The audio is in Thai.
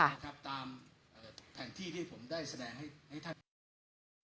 ตามแผ่นที่ที่ผมได้แสดงให้ท่าน